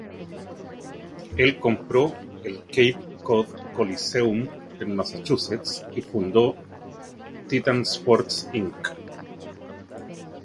Él compró el Cape Cod Coliseum en Massachusetts y fundó Titan Sports, Inc.